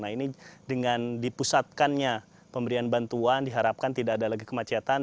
nah ini dengan dipusatkannya pemberian bantuan diharapkan tidak ada lagi kemacetan